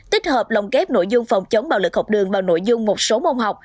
tích hợp lồng kép nội dung phòng chống bạo lực học đường vào nội dung một số môn học